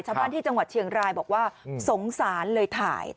ชาวบ้านที่จังหวัดเชียงรายบอกว่าสงสารเลยถ่าย